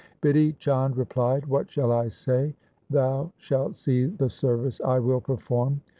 Bidhi Chand replied, ' What shall I say ? Thou shalt see the service I will perform.